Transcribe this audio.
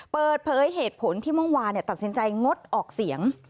เปิดเผยเหตุผลที่เมื่อวานตัดสินใจงดออกเสียง